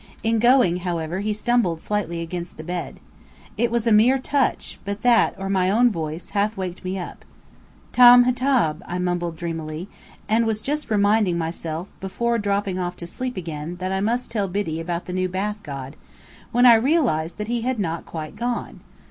In going, however, he stumbled slightly against the bed. It was a mere touch; but that, or my own voice, half waked me up. "TAM HTAB," I mumbled dreamily; and was just reminding myself before dropping off to sleep again that I must tell Biddy about the new bath god, when I realized that he had not quite gone.